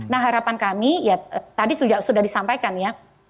nah harapan kami ya tadi sudah disampaikan ya